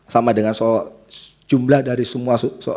sama dengan soal jumlah dari semua